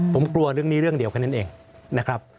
ผมกลัวเรื่องนี้เรื่องเดียวแค่นั้นเองนะครับ